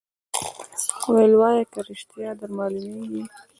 ویل وایه که ریشتیا در معلومیږي